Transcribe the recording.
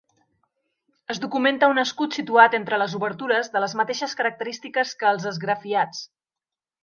Es documenta un escut situat entre les obertures, de les mateixes característiques que els esgrafiats.